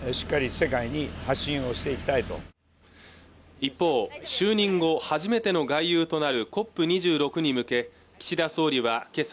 一方就任後初めての外遊となるＣＯＰ２６に向け岸田総理はけさ